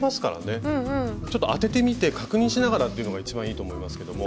ちょっと当ててみて確認しながらっていうのが一番いいと思いますけども。